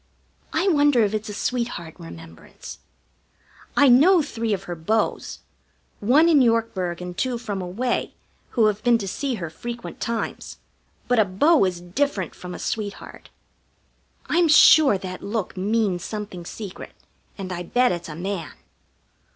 I wonder if it's a sweetheart remembrance? I know three of her beaux; one in Yorkburg and two from away, who have been to see her frequent times; but a beau is different from a sweetheart. I'm sure that look means something secret, and I bet it's a man.